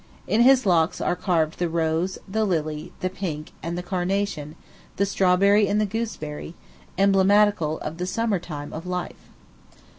In his locks are carved the rose, the lily, the pink, and the carnation, the strawberry and the gooseberry emblematical of the summer time of life.